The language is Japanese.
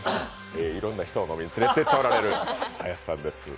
いろんな人を飲みに連れていっている林さんです。